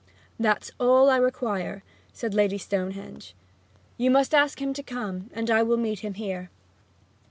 'That's all I require,' said Lady Stonehenge. 'You must ask him to come, and I will meet him here.'